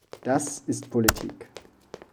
Das ist Politik.